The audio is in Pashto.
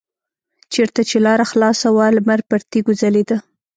چېرته چې لاره خلاصه وه لمر پر تیږو ځلیده.